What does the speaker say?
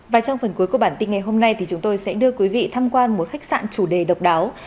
và trong phần cuối của bản tin ngày hôm nay thì chúng tôi sẽ đưa quý vị tham quan một khách sạn chủ đề độc đáo